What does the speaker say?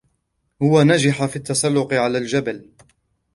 هو نجحَ في التسلّق على الجبل.